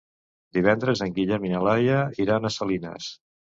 Divendres en Guillem i na Laia iran a Salines.